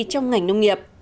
trong ngành nông nghiệp